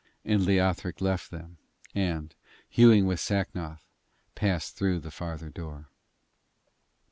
And Leothric left them, and, hewing with Sacnoth, passed through the farther door.